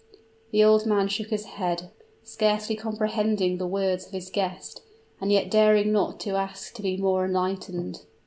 The old man shook his head, scarcely comprehending the words of his guest, and yet daring not to ask to be more enlightened.